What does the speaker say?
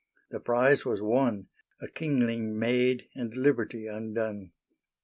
The prize was won, A kingling made and Liberty undone.